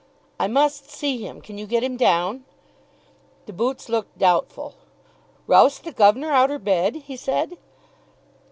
"I must see him. Can you get him down?" The boots looked doubtful. "Roust the guv'nor outer bed?" he said.